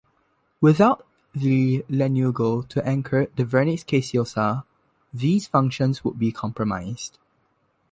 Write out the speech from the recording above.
Without the lanugo to anchor the vernix caseosa, these functions would be compromised.